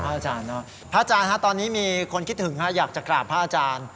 อาจารย์เนอะพระอาจารย์ตอนนี้มีคนคิดถึงอยากจะกราบพระอาจารย์